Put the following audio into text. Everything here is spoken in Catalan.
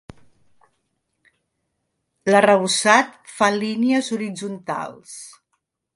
L'arrebossat fa línies horitzontals.